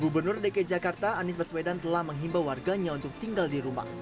gubernur dki jakarta anies baswedan telah menghimbau warganya untuk tinggal di rumah